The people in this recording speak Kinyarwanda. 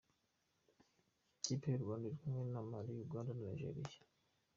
Ikipe y’u Rwanda iri kumwe na Mali, Uganda na Nigeria.